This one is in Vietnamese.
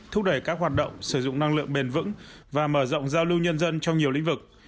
thúc đẩy các hoạt động sử dụng năng lượng bền vững và mở rộng giao lưu nhân dân trong nhiều lĩnh vực